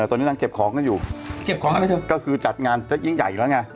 เออตอนนี้นางเก็บของก็อยู่เก็บของอะไรคือจัดงานจะยิ่งใหญ่แล้วไง